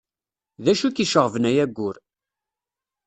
D acu i k-iceɣben ay ayyur.